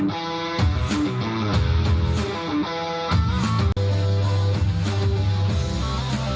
nah sekarang kita udah sama founder sama ke tiga